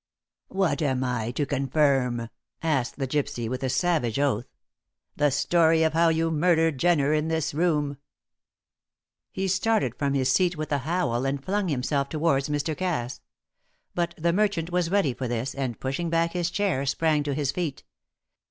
"What am I to confirm?" asked the gypsy, with a savage oath. "The story of how you murdered Jenner in this room!" He started from his seat with a howl, and flung himself towards Mr. Cass. But the merchant was ready for this, and pushing back his chair sprang to his feet.